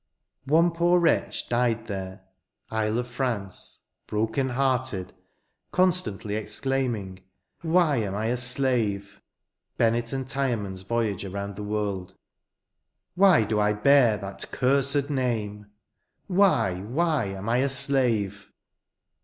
One poor wretch died here (Isle of France) broken hearted, constantly ez daiming, * Why am I a Slave ?'" BKNNKT and TtBBMAN'S VoTAGK bound TBI WOBLO. Why do I bear that cursed name ? Why, why am I a slave